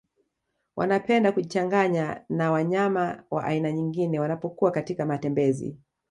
Wanapenda kujichanganya na wanyama wa aina nyingine wanapokuwa katika matembezi